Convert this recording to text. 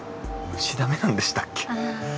虫ダメなんでしたっけ？